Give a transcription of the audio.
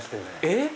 えっ！？